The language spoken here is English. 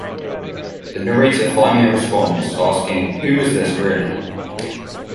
The narrator finally responds, asking who is this really?